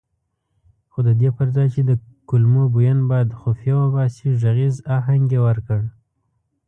خو ددې پرځای چې د کلمو بوین باد خفیه وباسي غږیز اهنګ یې ورکړ.